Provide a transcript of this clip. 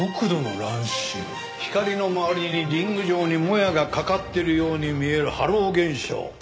光の周りにリング状にもやがかかってるように見えるハロー現象。